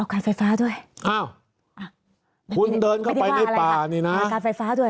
เอาการไฟฟ้าด้วยอ้าวคุณเดินเข้าไปในป่าเนี่ยนะ